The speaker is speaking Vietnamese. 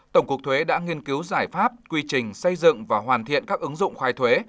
tổng cục thuế đã nghiên cứu giải pháp quy trình xây dựng và hoàn thiện các ứng dụng khoai thuế